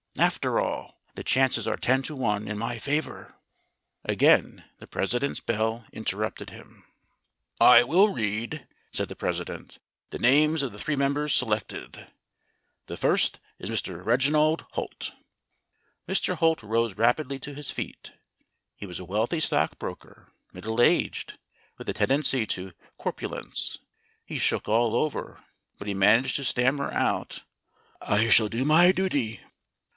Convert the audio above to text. After all, the chances are ten to one in my favor." Again the President's bell interrupted him. CLUBS AND HEARTS 77 "I will read," said the President, "the names of the three members selected. The first is Mr. Reginald Holt." Mr. Holt rose rapidly to his feet. He was a wealthy stockbroker, middle aged, with a tendency to corpu lence. He shook all over, but he managed to stammer out, "I shall do my duty."